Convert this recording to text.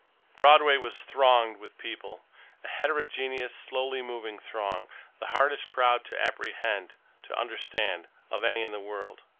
Broadway was thronged with people, a heterogeneous, slowly moving throng, the hardest crowd to apprehend, to understand, of any in the world.